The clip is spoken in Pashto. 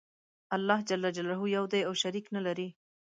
الله ج یو دی او شریک نلری.